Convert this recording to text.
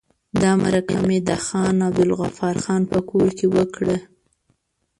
دا مرکه مې د خان عبدالغفار خان په کور کې وکړه.